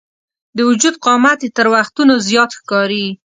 د وجود قامت یې تر وختونو زیات ښکاري.